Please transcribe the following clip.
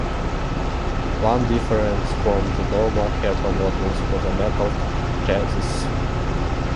One difference from the normal Herpa models was a metal chassis.